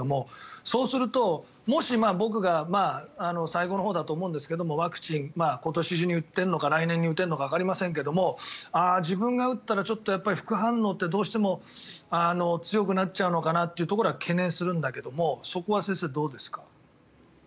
そうすると、もし僕が最後のほうだと思うんですけどワクチン、今年中に打てるのか来年に打てるのかわかりませんが自分が打ったらちょっと副反応ってどうしても強くなっちゃうのかなというのは懸念するんだけどもそこは先生、どうですか？